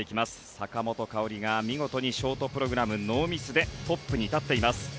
坂本花織が見事にショートプログラム、ノーミスでトップに立っています。